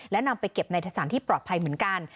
และนำไปเก็บในสถานที่ปลอดภัยเหมือนกัน